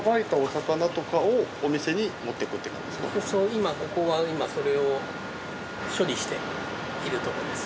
今ここはそれを処理しているところです。